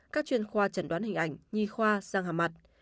các chuyên khoa chẩn đoán hình ảnh nhi khoa sang hàm mặt